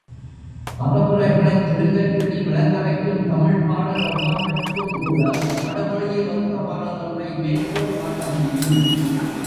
அறவுரைகளைச் சுருங்கச் சொல்லி விளங்க வைக்கும் தமிழ்ப் பாடல் ஒவ்வொன்றிற்கும்கூட வடமொழியில் ஒத்த பாடலொன்றை மேற்கோள் காட்ட முடியும்.